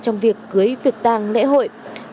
trong việc cưới việc tàng lễ hội